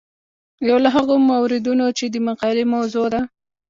یو له هغو موردونو چې د مقالې موضوع ده.